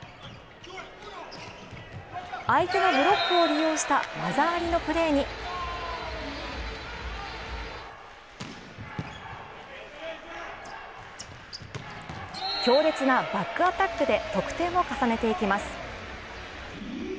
相手のブロックを利用した技ありのプレーに、強烈なバックアタックで得点を重ねていきます。